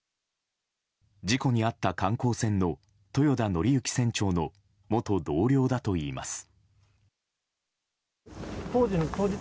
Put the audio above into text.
事故に遭った観光船の豊田徳幸船長の元同僚だといいます。